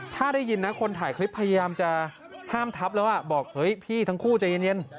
ถ้าได้ยินนะคนถ่ายคลิปพยายามจะห้ามทับแล้วบอกเฮ้ยพี่ทั้งคู่ใจเย็น